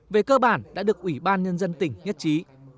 về cơ bản đã được ủy ban nhân dân tỉnh nhất trí